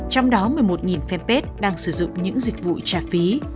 trong đó một mươi một fanpage đang sử dụng những dịch vụ trả phí